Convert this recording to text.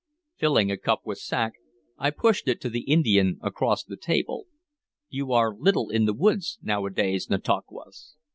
Filling a cup with sack, I pushed it to the Indian across the table. "You are little in the woods nowadays, Nantauquas."